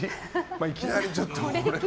いきなりちょっと。